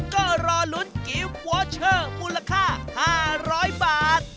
ก็รอลุ้นกิฟต์วอเชอร์มูลค่า๕๐๐บาท